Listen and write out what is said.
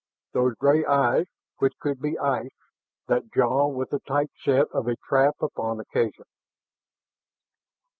Those gray eyes which could be ice, that jaw with the tight set of a trap upon occasion....